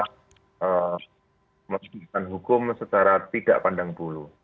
memperlukan hukum secara tidak pandang bulu